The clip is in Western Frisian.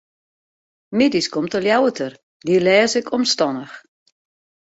Middeis komt de Ljouwerter, dy lês ik omstannich.